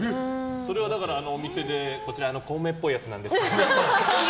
それはお店で孔明っぽいやつなんですけど。